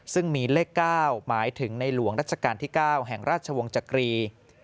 ซึ่งมีเลข๙หมายถึงในหลวงรัชกาลที่๙แห่งราชวงศ์จักรี